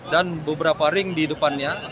dan beberapa ring di depannya